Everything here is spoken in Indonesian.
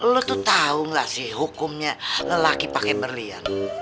lu tuh tau gak sih hukumnya lelaki pake berlian